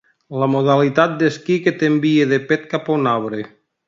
La modalitat d'esquí que t'envia de pet cap a un arbre.